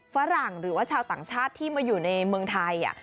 ฝรั่งหรือว่าชาวต่างชาติที่มาอยู่ในเมืองไทย